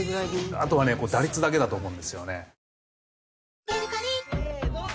あとはね打率だけだと思うんですよね。